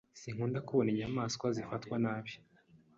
Sinkunda kubona inyamaswa zifatwa nabi.